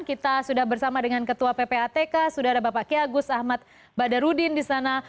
kita sudah bersama dengan ketua ppatk sudah ada bapak ki agus ahmad badarudin di sana